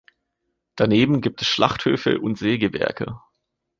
Daneben gibt es Schlachthöfe und Sägewerke.